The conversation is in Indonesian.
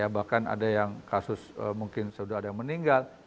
bahkan ada yang kasus mungkin sudah ada yang meninggal